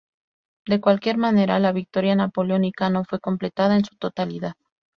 De cualquier manera, la victoria napoleónica no fue completada en su totalidad.